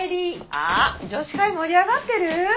あっ女子会盛り上がってる？